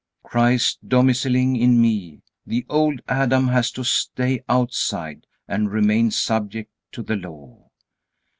Christ domiciling in me, the old Adam has to stay outside and remain subject to the Law.